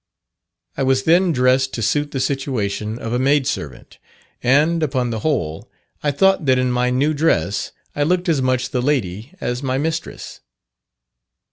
I was then dressed to suit the situation of a maid servant; and, upon the whole, I thought that in my new dress I looked as much the lady as my mistress.